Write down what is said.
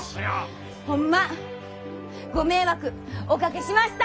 ホンマご迷惑おかけしました！